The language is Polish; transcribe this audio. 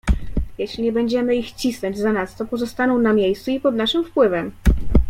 "Jeśli nie będziemy ich cisnąć zanadto, pozostaną na miejscu i pod naszym wpływem."